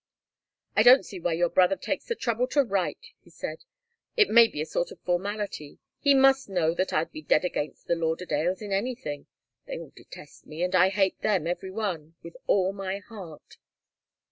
"I don't see why your brother takes the trouble to write," he said. "It may be a sort of formality. He must know that I'd be dead against the Lauderdales in anything. They all detest me, and I hate them every one, with all my heart."